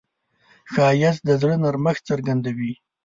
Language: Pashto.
ښایست د زړه نرمښت څرګندوي